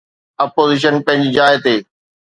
Opposition پنهنجي جاءِ تي.